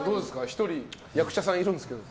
１人役者さんいるんですけど。